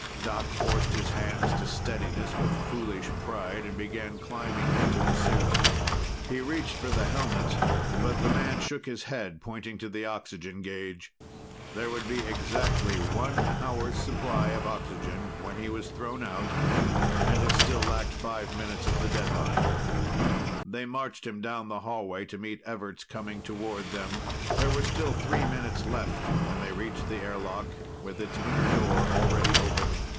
Doc forced his hands to steadiness with foolish pride and began climbing into the suit. He reached for the helmet, but the man shook his head, pointing to the oxygen gauge. There would be exactly one hour's supply of oxygen when he was thrown out and it still lacked five minutes of the deadline. They marched him down the hallway, to meet Everts coming toward them. There were still three minutes left when they reached the airlock, with its inner door already open.